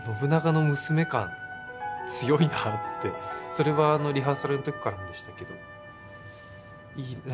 それはリハーサルの時からもでしたけど。